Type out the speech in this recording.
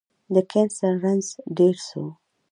د کېنسر رنځ ډير سو